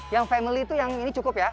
yang family itu yang ini cukup ya